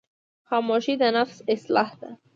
خاموشي، د نفس اصلاح ده.